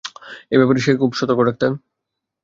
এই ব্যাপারে সে খুব সতর্ক, ডাক্তার।